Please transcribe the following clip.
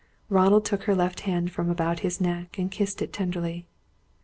Ronald took her left hand from about his neck, and kissed it tenderly.